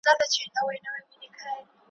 لکه نه وم په محفل کي نه نوبت را رسېدلی `